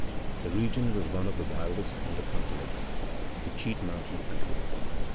The region was one of the wildest on the continent the Cheat Mountain country.